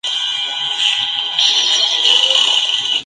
Summers nació en la capital isleña y creció en Puerto Mitre.